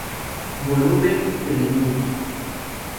Volumen primum.